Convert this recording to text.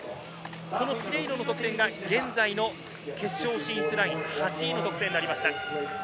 ピネイロの得点が現在の決勝進出ライン、８位の得点になりました。